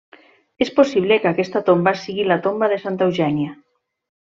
És possible que aquesta tomba sigui la tomba de Santa Eugènia.